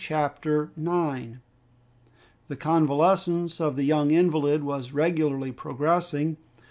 Chapter 9 The convalescence of the young invalid was regularly progressing.